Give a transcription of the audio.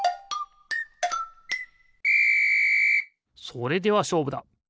それではしょうぶだ。